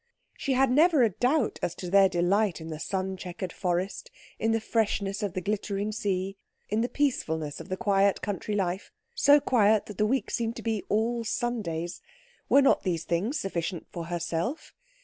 She had never a doubt as to their delight in the sun chequered forest, in the freshness of the glittering sea, in the peacefulness of the quiet country life, so quiet that the week seemed to be all Sundays. Were not these things sufficient for herself?